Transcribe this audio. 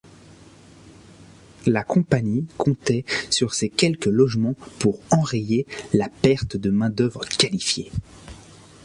La Compagnie comptait sur ces quelques logements pour enrayer la perte de main-d'œuvre qualifiée.